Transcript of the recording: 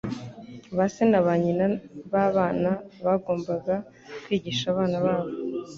Ba se na ba nyina b'abana bagombaga kwigisha abana babo